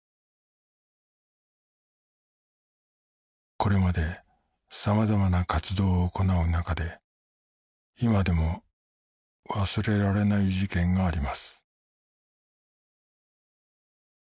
これまでさまざまな活動を行う中で今でも忘れられない事件があります